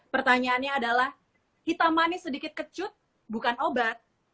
pertanyaannya adalah hitam manis sedikit kecut bukan obat